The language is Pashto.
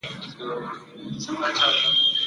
مالګه جامده کرستلي ماده ده.